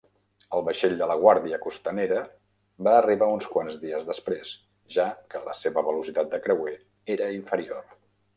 El vaixell de la guàrdia costanera va arribar uns quants dies després, ja que la seva velocitat de creuer era inferior.